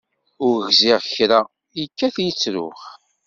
Ur gziɣ kra, ikkat ittru.